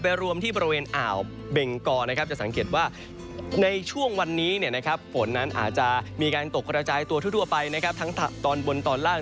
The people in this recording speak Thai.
รวมที่บริเวณอ่าวเบงกอนะครับจะสังเกตว่าในช่วงวันนี้ฝนนั้นอาจจะมีการตกกระจายตัวทั่วไปนะครับทั้งตอนบนตอนล่าง